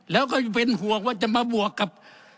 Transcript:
แล้วก็เป็นห่วงว่าจะมาบวกกับ